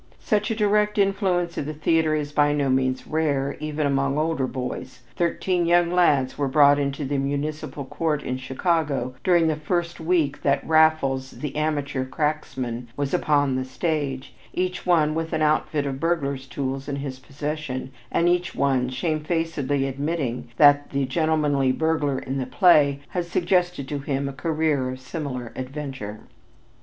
Such a direct influence of the theater is by no means rare, even among older boys. Thirteen young lads were brought into the Municipal Court in Chicago during the first week that "Raffles, the Amateur Cracksman" was upon the stage, each one with an outfit of burglar's tools in his possession, and each one shamefacedly admitting that the gentlemanly burglar in the play had suggested to him a career of similar adventure.